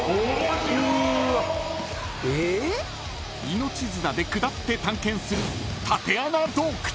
［命綱で下って探検する］